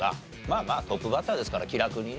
まあまあトップバッターですから気楽にね。